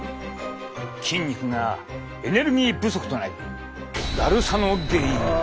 筋肉がエネルギー不足となりだるさの原因に！